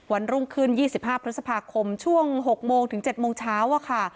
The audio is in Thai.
วันรุ่งคืน๒๕พฤษภาคมช่วง๖โมงถึง๗โมงเช้า